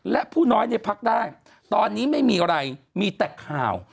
และผู้น้อยในพักได้ตอนนี้ไม่มีอะไรมีแต่ข่าว